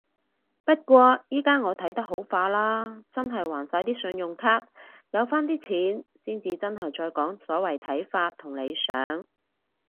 不過依家我睇得好化啦，真係還晒啲信用卡。有返啲錢先至真係再講所謂睇法同理想